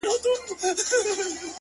• تاوېدی له ډېره درده قهرېدلی,